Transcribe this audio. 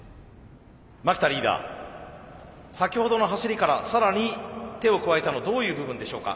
牧田リーダー先ほどの走りから更に手を加えたのどういう部分でしょうか？